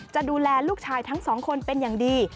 จะดูแลลูกชายทั้งสองคนเป็นอย่างดี